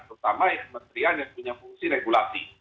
terutama kementerian yang punya fungsi regulasi